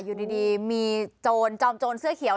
อยู่ดีมีจอมจอมจอมเสื้อเขียว